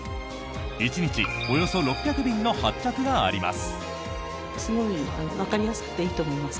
１日およそ６００便の発着があります。